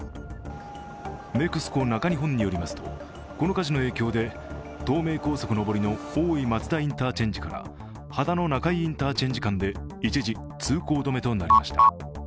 ＮＥＸＣＯ中日本によりますとこの火事の影響で、東名高速上りの大井松田インターチェンジから秦野中井インターチェンジ間で一時通行止めとなりました。